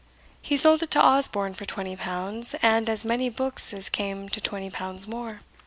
He sold it to Osborne for twenty pounds, and as many books as came to twenty pounds more.